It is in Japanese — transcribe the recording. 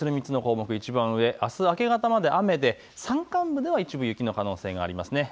３つの項目、いちばん上、あす明け方まで雨で山間部では一部雪の可能性があります。